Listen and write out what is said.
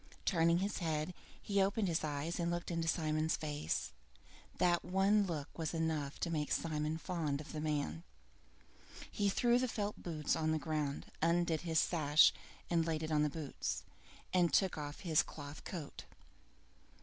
Turning his head, he opened his eyes and looked into Simon's face. That one look was enough to make Simon fond of the man. He threw the felt boots on the ground, undid his sash, laid it on the boots, and took off his cloth coat.